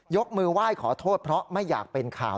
มือไหว้ขอโทษเพราะไม่อยากเป็นข่าว